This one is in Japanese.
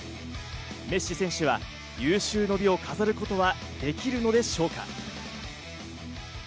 メッシ選手は有終の美を飾ることはできるのでしょうか？